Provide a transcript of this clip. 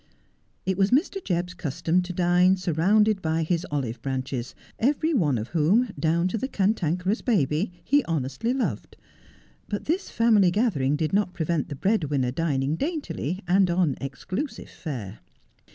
It was Mr. Jebb's custom to dine surrounded by his olive branches, every one of whom, down to the cantankerous baby, he honestly loved ; but this family gathering did not prevent the bread winner dining daintily, and on exclusive fare.